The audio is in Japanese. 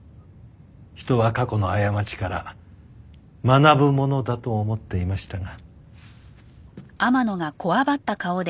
人は過去の過ちから学ぶものだと思っていましたが。